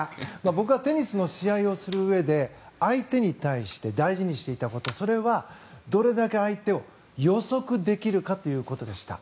僕はテニスの試合をするうえで相手に対して大事にしていたことそれは、どれだけ相手を予測できるかということでした。